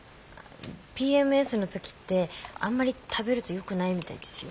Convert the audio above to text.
ＰＭＳの時ってあんまり食べるとよくないみたいですよ。